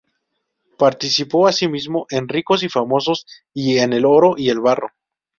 Participó asimismo en "Ricos y famosos" y en "El oro y el barro".